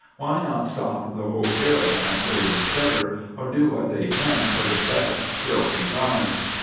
Why not stop the whole caravan till he is better, or do what they can for the best till he dies